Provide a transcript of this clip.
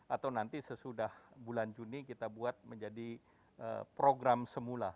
atau nanti sesudah bulan juni kita buat menjadi program semula